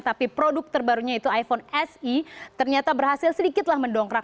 tapi produk terbarunya itu iphone se ternyata berhasil sedikitlah mendongkrak